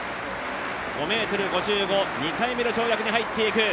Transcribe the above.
５ｍ５５、２回目の跳躍に入っていく。